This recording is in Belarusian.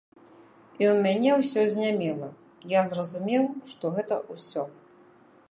І ў мяне ўсё знямела, я зразумеў, што гэта ўсё.